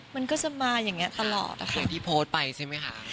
มันก็จะมาอย่างเงี้ยตลอดอะค่ะที่โพสต์ไปใช่ไหมค่ะ